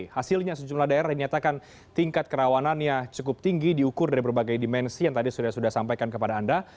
hasilnya sejumlah daerah dinyatakan tingkat kerawanannya cukup tinggi diukur dari berbagai dimensi yang tadi sudah sudah sampaikan kepada anda